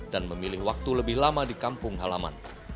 dan memilih waktu lebih lama di kampung halaman